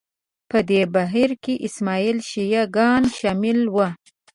په دې بهیر کې اسماعیلي شیعه ګان شامل وو